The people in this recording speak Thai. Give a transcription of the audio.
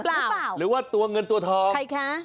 หรือเปล่าหรือว่าตัวเงินตัวทองใครคะ